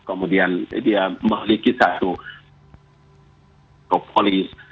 kemudian dia memiliki satu propolis